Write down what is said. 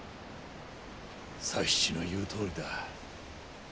佐七の言うとおりだ。